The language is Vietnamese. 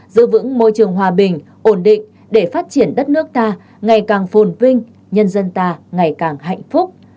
giữ vững môi trường hòa bình ổn định để phát triển đất nước ta ngày càng phồn vinh nhân dân ta ngày càng hạnh phúc